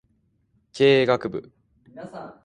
経営学部